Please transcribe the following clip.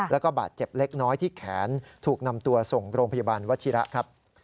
แล้วก็บาดเจ็บเล็กน้อยที่แขนถูกนำตัวส่งโรงพยาบาลวัชิระครับ